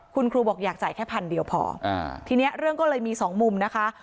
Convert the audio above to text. คุณครูบอกอยากจ่ายแค่พันเดียวพอทีนี้เรื่องก็เลยมีสองมุมนะคะ